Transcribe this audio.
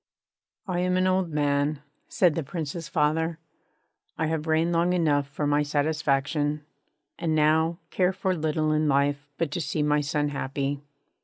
'I am an old man,' said the Prince's father; 'I have reigned long enough for my satisfaction, and now care for little in life but to see my son happy.'